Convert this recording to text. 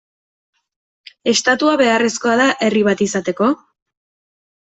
Estatua beharrezkoa da herri bat izateko?